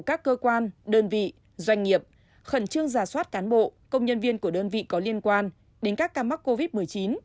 các cơ quan đơn vị doanh nghiệp khẩn trương giả soát cán bộ công nhân viên của đơn vị có liên quan đến các ca mắc covid một mươi chín